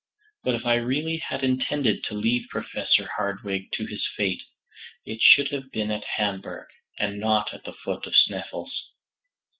But if I really had intended to leave Professor Hardwigg to his fate, it should have been at Hamburg and not at the foot of Sneffels.